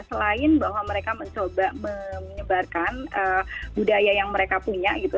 selain bahwa mereka mencoba menyebarkan budaya yang mereka punya gitu